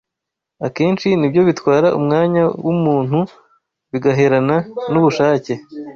akenshi ni byo bitwara umwanya w’umuntu bigaherana n’ubushake